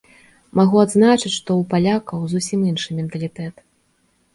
Магу адзначыць, што ў палякаў зусім іншы менталітэт.